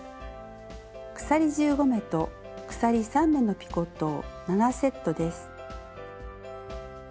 鎖１５目と鎖３目のピコットを７セットです。